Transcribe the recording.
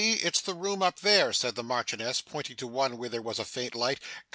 It's the room up there,' said the Marchioness, pointing to one where there was a faint light.